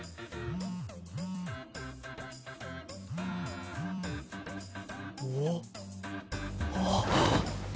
ん？おっ？あっ。